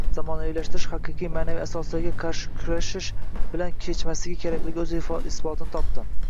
Zamonaviylashtirish haqiqiy ma’naviy asoslarga qarshi kurashish bilan kechmasligi kerakligi o‘z isbotini topdi.